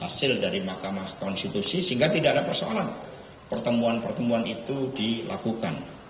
hasil dari mahkamah konstitusi sehingga tidak ada persoalan pertemuan pertemuan itu dilakukan